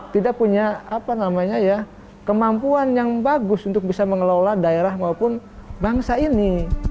tidak punya kemampuan yang bagus untuk bisa mengelola daerah maupun bangsa ini